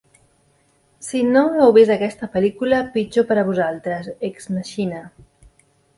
Si no heu vist aquesta pel·lícula, pitjor per a vosaltres: Ex Machina.